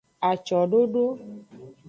Acododo.